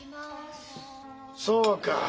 そうか。